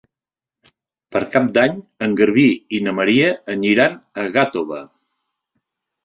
Per Cap d'Any en Garbí i na Maria aniran a Gàtova.